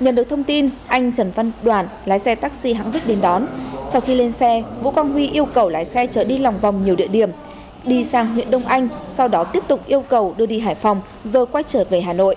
nhận được thông tin anh trần văn đoàn lái xe taxi hãng viết đến đón sau khi lên xe vũ quang huy yêu cầu lái xe chở đi lòng vòng nhiều địa điểm đi sang huyện đông anh sau đó tiếp tục yêu cầu đưa đi hải phòng rồi quay trở về hà nội